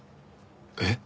えっ？